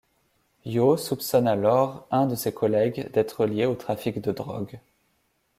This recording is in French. Yau soupçonne alors un de ses collègues d'être lié au trafic de drogues.